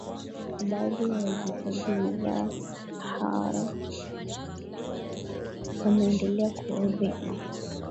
Baadhi ya waagizaji bidhaa hao wameendelea kuhodhi mafuta